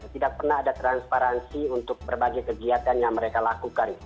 tidak pernah ada transparansi untuk berbagai kegiatan yang mereka lakukan